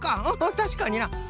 たしかにな。